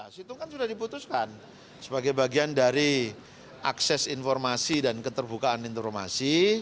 situng kan sudah diputuskan sebagai bagian dari akses informasi dan keterbukaan informasi